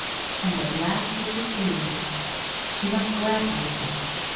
And at last it was here. She must grapple with it.